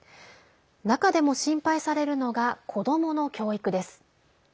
中でも心配されるのが子どもの教育です。